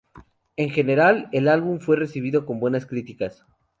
En general, el álbum fue recibido con buenas críticas.